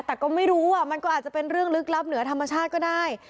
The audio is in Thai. แต่ก็ไม่รู้มันก็อาจจะเป็นเรื่องลึกลับเหนือธรรมชาติก็ได้